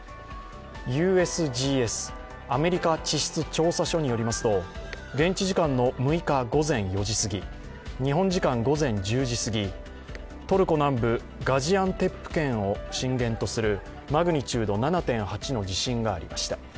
ＵＳＧＳ＝アメリカ地質調査所によりますと、現地時間の６日午前４時過ぎ、日本時間午前１０時すぎトルコ南部・ガジアンテップ県を震源とするマグニチュード７．８の地震がありました。